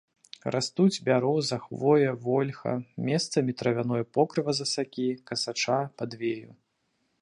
Растуць бяроза, хвоя, вольха, месцамі травяное покрыва з асакі, касача, падвею.